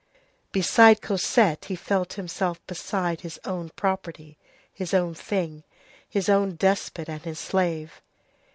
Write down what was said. Beside Cosette he felt himself beside his own property, his own thing, his own despot and his slave.